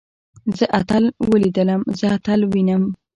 زه اتل وليدلم. زه اتل وينم.